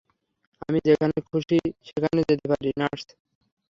আমি যেখানে খুশি সেখানে যেতে পারি, নার্স।